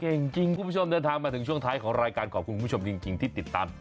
เก่งจริงคุณผู้ชมเดินทางมาถึงช่วงท้ายของรายการขอบคุณผู้ชมจริงที่ติดตาม